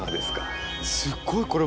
すごい。